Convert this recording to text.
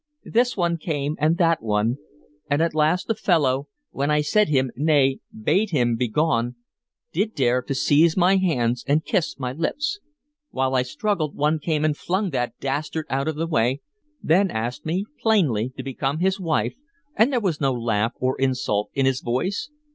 This one came and that one, and at last a fellow, when I said him nay and bade him begone, did dare to seize my hands and kiss my lips. While I struggled one came and flung that dastard out of the way, then asked me plainly to become his wife, and there was no laugh or insult in his voice.